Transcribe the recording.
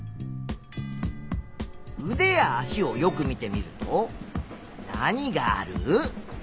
うでや足をよく見てみると何がある？